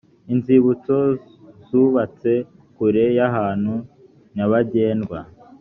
inzibutso zubatse kure y’ahantu nyabagendwa